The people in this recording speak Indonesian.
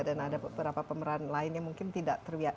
dan ada beberapa pemeran lainnya mungkin tidak terbiak